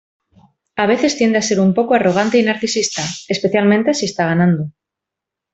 A veces tiende a ser un poco arrogante y narcisista, especialmente si está ganando.